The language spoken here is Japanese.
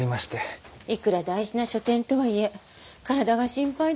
いくら大事な書展とはいえ体が心配だわ。